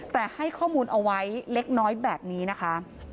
แต่ให้ข้อมูลเอาไว้เล็กน้อยแบบนี้นะคะ